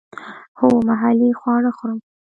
هو، محلی خواړه خورم